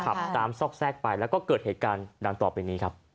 ขับตามซอกแซกไปแล้วก็เกิดเหตุการณ์